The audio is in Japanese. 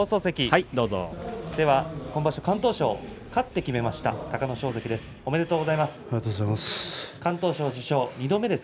今場所、敢闘賞を勝って決めた隆の勝関です。